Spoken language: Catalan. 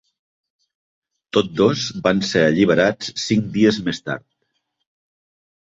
Tots dos van ser alliberats cinc dies més tard.